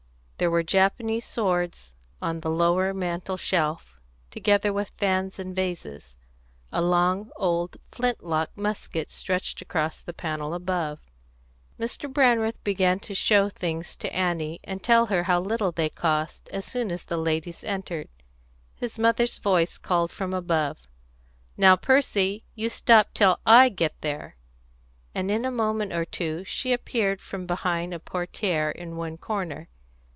There were Japanese swords on the lowest mantel shelf, together with fans and vases; a long old flint lock musket stretched across the panel above. Mr. Brandreth began to show things to Annie, and to tell how little they cost, as soon as the ladies entered. His mother's voice called from above, "Now, Percy, you stop till I get there!" and in a moment or two she appeared from behind a portière in one corner.